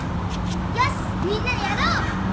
よしみんなでやろう！